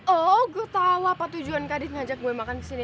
oh gue tau apa tujuan kak adit ngajak gue makan kesini